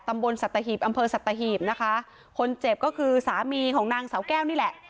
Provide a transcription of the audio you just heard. ตำบลสัตหีบอำเภอสัตหีบนะคะคนเจ็บก็คือสามีของนางสาวแก้วนี่แหละ